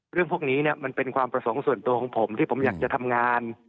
เรื่องพวกนี้มันเป็นความประสงค์ส่วนตัวของผมที่ผมอยากจะทำงาน